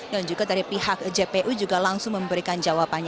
dan juga dari pihak jpu juga langsung memberikan jawabannya